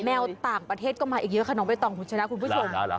แววต่างประเทศก็มาอีกเยอะค่ะน้องใบตองคุณชนะคุณผู้ชม